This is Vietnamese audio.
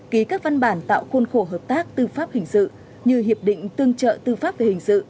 ký các văn bản tạo khuôn khổ hợp tác tư pháp hình sự như hiệp định tương trợ tư pháp về hình sự